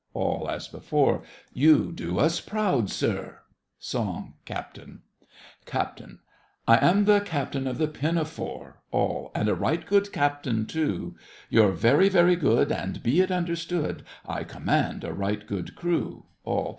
ALL (as before). You do us proud, sir! SONG—CAPTAIN CAPT. I am the Captain of the Pinafore; ALL. And a right good captain, tool You're very, very good, And be it understood, I command a right good crew, ALL.